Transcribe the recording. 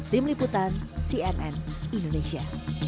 tim liputan cnn indonesia